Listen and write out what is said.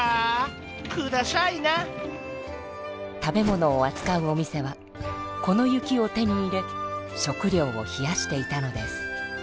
食べ物をあつかうお店はこの雪を手に入れ食料を冷やしていたのです。